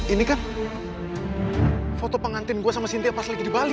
ini kan foto pengantin gue sama sintia pas lagi di bali